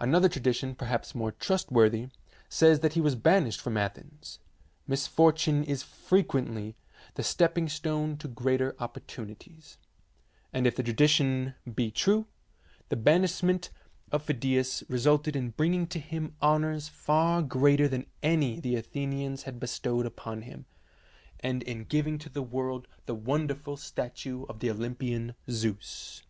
Another tradition, perhaps more trustworthy, says that he was banished from Athens. Misfor tune is frequently the stepping stone to greater opportunities, and if the tradition be true, the banishment of Phidias resulted in bringing to him honours far greater than any the Athenians had bestowed upon him, and in giving to the world the wonderful statue of the Olympian Zeus.